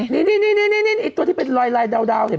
นี่ตัวที่เป็นลายดาวเห็นไหม